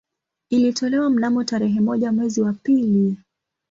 Ilitolewa mnamo tarehe moja mwezi wa pili